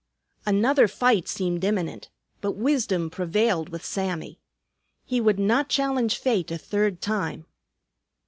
Another fight seemed imminent. But wisdom prevailed with Sammy. He would not challenge fate a third time.